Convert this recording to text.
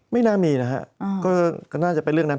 ไม่น่ามีนะฮะก็น่าจะเป็นเรื่องนั้น